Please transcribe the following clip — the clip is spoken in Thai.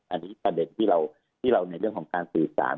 อันนี้ประเด็นที่เราในเรื่องของการสื่อสาร